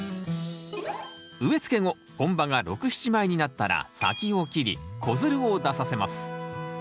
植え付け後本葉が６７枚になったら先を切り子づるを出させます。